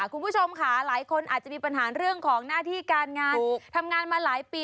คุณผู้ชมค่ะหลายคนอาจจะมีปัญหาเรื่องของหน้าที่การงานทำงานมาหลายปี